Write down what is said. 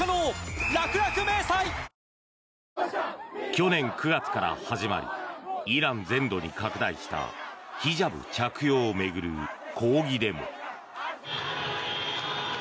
去年９月から始まりイラン全土に拡大したヒジャブ着用を巡る抗議デモ。